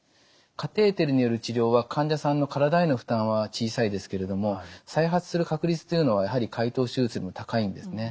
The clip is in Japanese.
カテーテルによる治療は患者さんの体への負担は小さいですけれども再発する確率というのはやはり開頭手術より高いんですね。